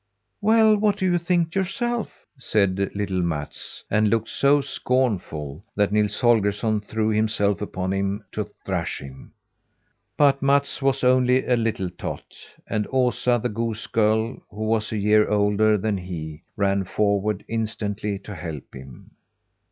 "Well, what do you think yourself?" said little Mats, and looked so scornful that Nils Holgersson threw himself upon him, to thrash him. But Mats was only a little tot, and Osa, the goose girl, who was a year older than he, ran forward instantly to help him.